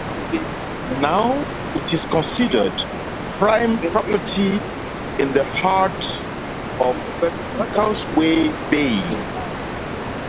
Now it is considered prime property in the heart of Causeway Bay.